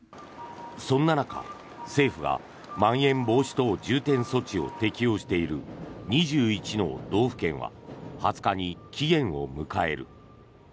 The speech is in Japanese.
そんな中、政府がまん延防止等重点措置を適用している２１の道府県は２０日に期限を迎える。